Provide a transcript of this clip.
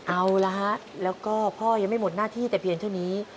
เอาละฮะแล้วก็พ่อยังไม่หมดหน้าที่แต่เพียงเท่านี้